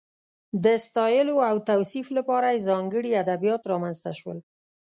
د ستایلو او توصیف لپاره یې ځانګړي ادبیات رامنځته شول.